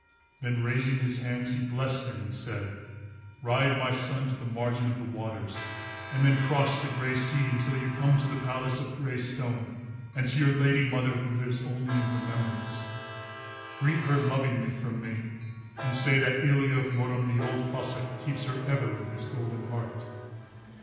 Then raising his hands he blessed him and said: "Ride, my son, to the margin of the waters, and then cross the grey sea until you come to the palace of grey stone and to your lady mother who lives only in her memories. Greet her lovingly from me, and say that Ilya of Murom the Old Cossáck keeps her ever in his golden heart."